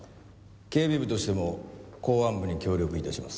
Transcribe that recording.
警備部としても公安部に協力致します。